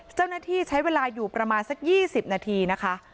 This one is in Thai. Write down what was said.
เจ้าหน้าที่ใช้เวลาอยู่ประมาณสัก๒๐นาทีนะคะ